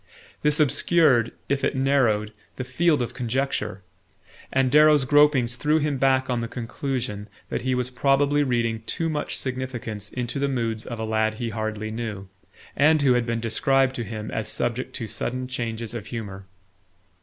This obscured, if it narrowed, the field of conjecture; and Darrow's gropings threw him back on the conclusion that he was probably reading too much significance into the moods of a lad he hardly knew, and who had been described to him as subject to sudden changes of humour.